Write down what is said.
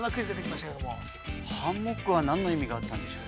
◆ハンモックは何の意味があったんでしょうか。